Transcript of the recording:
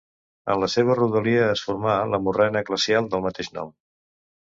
En la seva rodalia es formà la morrena glacial del mateix nom.